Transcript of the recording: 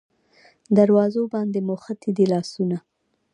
دروازو باندې موښتي دی لاسونه